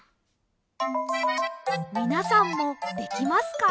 みなさんもできますか？